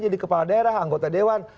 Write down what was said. jadi kepala daerah anggota dewan